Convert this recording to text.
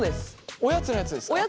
おやつのやつです。